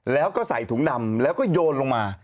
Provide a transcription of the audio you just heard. แล้วก็ใส่ถุงดำแล้วก็โยนลงมา